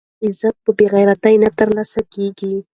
عزت په بې غیرتۍ کې نه ترلاسه کېږي.